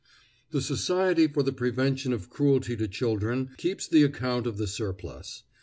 The Society for the Prevention of Cruelty to Children keeps the account of the surplus.